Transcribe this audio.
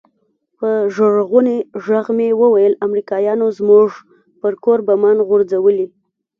په ژړغوني ږغ مې وويل امريکايانو زموږ پر کور بمان غورځولي.